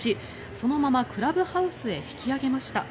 そのままクラブハウスへ引き上げました。